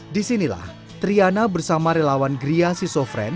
disinilah triana bersama relawan gria siso fren